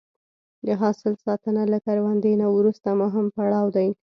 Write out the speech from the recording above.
د حاصل ساتنه له کروندې نه وروسته مهم پړاو دی.